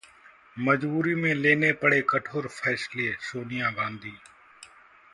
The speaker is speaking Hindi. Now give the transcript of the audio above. मजबूरी में लेने पड़े कठोर फैसले: सोनिया गांधी